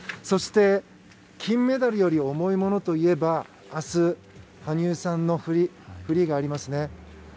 そして金メダルより重いものといえば明日、羽生さんのフリーがありますね。